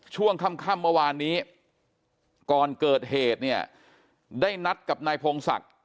ช่วงค่ำเมื่อวานนี้ก่อนเกิดเหตุเนี่ยได้นัดกับนายพงศักดิ์